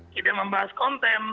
tidak membahas konten